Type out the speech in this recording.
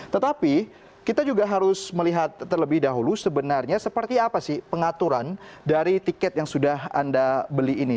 tetapi kita juga harus melihat terlebih dahulu sebenarnya seperti apa sih pengaturan dari tiket yang sudah anda beli ini